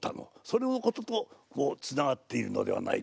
それのこととつながっているのではないかな？